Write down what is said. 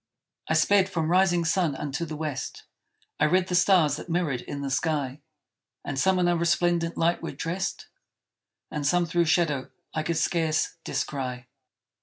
I sped from rising sun unto the west; I read the stars that mirrored in the sky; And some in a resplendent light were dressed, And some through shadow I could scarce descry.